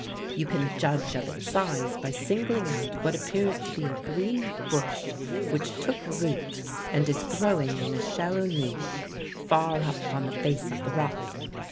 You can judge of its size by singling out what appears to be a green bush which took root and is growing in a shallow niche far up on the face of the rock.